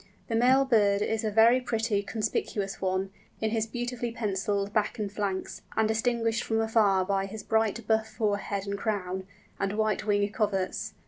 The male bird is a very pretty and conspicuous one, in his beautifully pencilled back and flanks, and distinguished from afar by his bright buff forehead and crown, and white wing coverts.